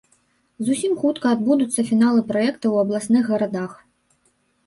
Зусім хутка адбудуцца фіналы праекта ў абласных гарадах.